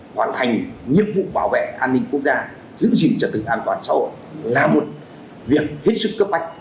hoàn thành nhiệm vụ bảo vệ an ninh quốc gia giữ gìn trật tự an toàn xã hội là một việc hết sức cấp bách